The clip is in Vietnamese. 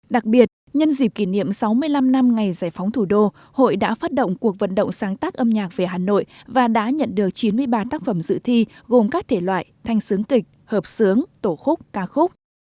đặc biệt nhân dịp kỷ niệm sáu mươi năm năm ngày giải phóng thủ đô hội đã phát động cuộc vận động sáng tác âm nhạc về hà nội và đã nhận được chín mươi ba tác phẩm dự thi gồm các thể loại thanh sướng kịch hợp xướng tổ khúc ca khúc